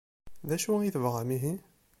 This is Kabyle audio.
D acu i tebɣam ihi?